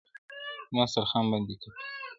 • زما سترخان باندي که پیاز دی خو په نیاز دی..